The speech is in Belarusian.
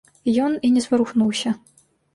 Ён і не зварухнуўся.